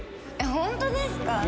えっ本当ですか？